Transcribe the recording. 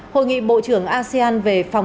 hội nghị bộ trưởng asean về phòng